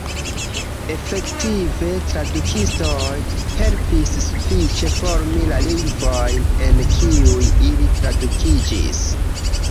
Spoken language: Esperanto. Efektive, tradukistoj helpis sufiĉe formi la lingvojn en kiuj ili tradukiĝis.